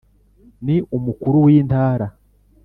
ni umukuru w’intara